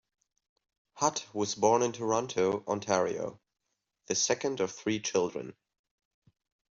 Hutt was born in Toronto, Ontario, the second of three children.